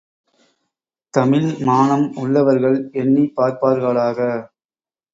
தமிழ்மானம் உள்ளவர்கள் எண்ணிப் பார்ப்பார்களாக!